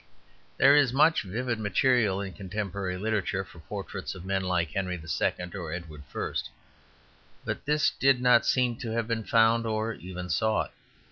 There is much vivid material in contemporary literature for portraits of men like Henry II. or Edward I.; but this did not seem to have been found, or even sought.